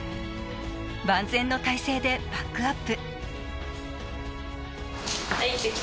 万全の態勢でバックアップ。